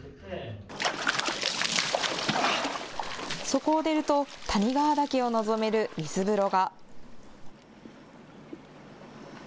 そこを出ると谷川岳を望める水風呂が。